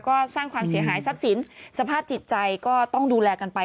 ก็สร้างความเสียหายทรัพย์สินสภาพจิตใจก็ต้องดูแลกันไป